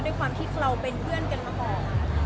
ด้วยความที่เราเป็นเพื่อนกันมาก่อน